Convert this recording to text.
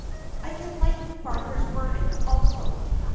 "I can lighten Barbara's burden also.